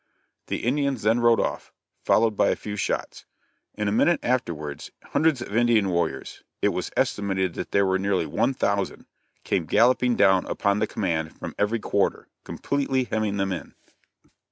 The Indians then rode off, followed by a few shots. In a minute afterwards, hundreds of Indian warriors it was estimated that there were nearly one thousand came galloping down upon the command from every quarter, completely hemming them in.